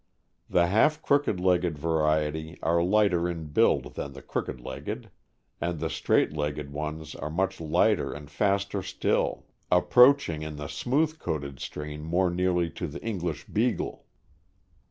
The half crooked legged variety are lighter in build than the crooked legged; and the straight legged ones are much lighter and faster still, approaching, in the smooth coated strain, more nearly to the English Beagle.